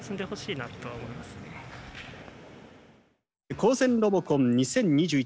高専ロボコン２０２１